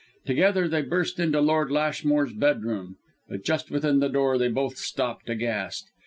Together they burst into Lord Lashmore's bedroom. But just within the door they both stopped, aghast.